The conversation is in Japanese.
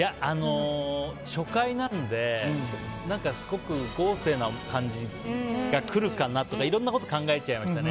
初回なんですごく豪勢な感じが来るかなとかいろんなこと考えちゃいましたね。